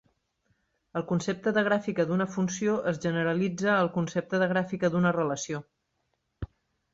El concepte de gràfica d'una funció es generalitza al concepte de gràfica d'una relació.